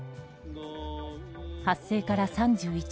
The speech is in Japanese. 発生から３１年。